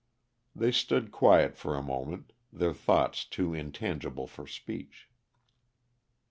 They stood quiet for a moment, their thoughts too intangible for speech.